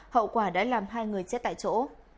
hậu quả đã làm hai người chết tại chỗ